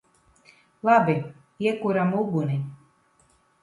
Labi. Iekuram uguni!